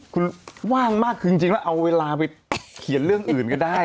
คุณว่างมากคือจริงแล้วเอาเวลาไปเขียนเรื่องอื่นก็ได้